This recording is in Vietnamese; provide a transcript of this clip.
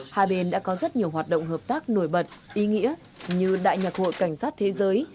hai bên đã có rất nhiều hoạt động hợp tác nổi bật ý nghĩa như đại nhạc hội cảnh sát thế giới